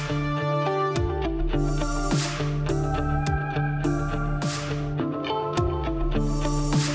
kita sudah sampai